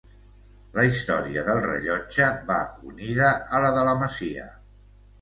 La història del rellotge va unida a la de la masia.